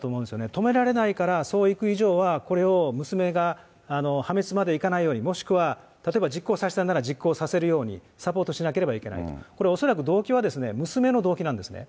止められないから、そう行く以上はこれを娘が破滅までいかないように、もしくは、例えば実行させたいなら実行させるように、サポートしなければいけない。